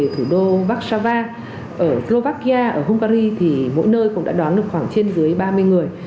thủ đô baxava ở slovakia ở hungary thì mỗi nơi cũng đã đón được khoảng trên dưới ba mươi người